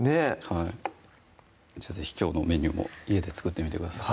はい是非きょうのメニューも家で作ってみてください